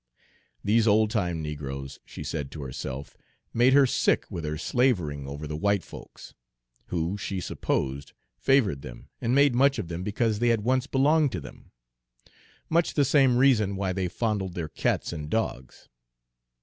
These old time negroes, she said to herself, made her sick with their slavering over the white folks, who, she supposed, favored them and made much of them because they had once belonged to them, much the same reason why they fondled their cats and dogs.